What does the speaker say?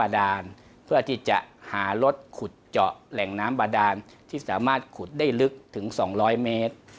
ได้ลึกถึง๒๐๐เมตร